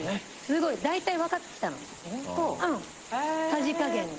さじ加減が。